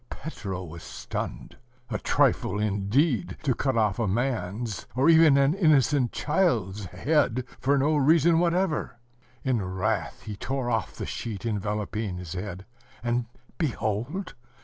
Petro was stunned. A trifle, indeed, to cut off a man's, or even an innocent child's, head for no reason whatever! In wrath he tore off the sheet enveloping his head, and behold!